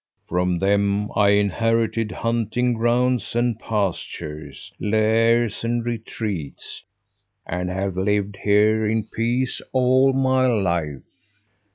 From them I inherited hunting grounds and pastures, lairs and retreats, and have lived here in peace all my life.